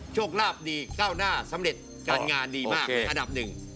โชคลาภดีก้าวหน้าสำเร็จการงานดีมากอันดับหนึ่ง